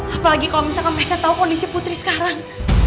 apalagi kalo misalkan mereka tau kondisi putri sekarang